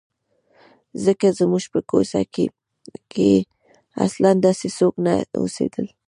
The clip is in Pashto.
ځکه زموږ په کوڅه کې اصلاً داسې څوک نه اوسېدل.